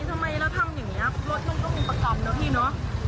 รถมันก็มีประคำเนอะพี่เนอะ